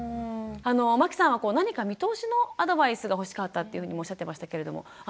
まきさんは何か見通しのアドバイスが欲しかったっていうふうにもおっしゃってましたけれども安藤さん